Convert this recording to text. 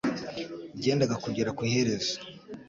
byendaga kugera ku iherezo;